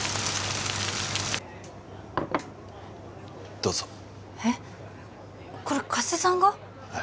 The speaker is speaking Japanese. どうぞえっこれ加瀬さんが？